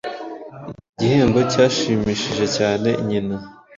Iki gihembo cyashimishije cyane Nyina.